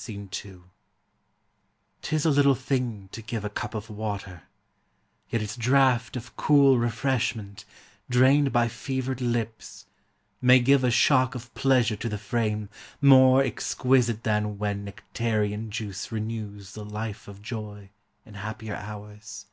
SC. 2. 'T is a little thing To give a cup of water; yet its draught Of cool refreshment, drained by fevered lips, May give a shock of pleasure to the frame More exquisite than when nectarean juice Renews the life of joy in happier hours.